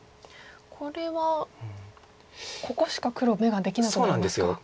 これはここしか黒眼ができなくなりますか。